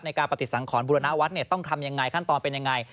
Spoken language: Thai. ในการปฏิสังขรบุรณาวัดต้องทำอย่างไรขั้นตอนเป็นอย่างไร